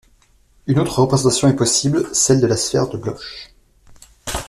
Une autre représentation est possible, celle de la sphère de Bloch.